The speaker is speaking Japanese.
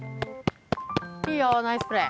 いいよナイスプレイ。